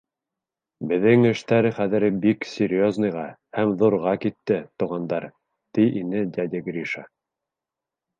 — Беҙҙең эштәр хәҙер бик серьезныйға һәм ҙурға китте, туғандар, — ти ине дядя Гриша.